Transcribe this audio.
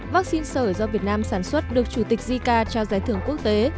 vaccine sở do việt nam sản xuất được chủ tịch zika trao giải thưởng quốc tế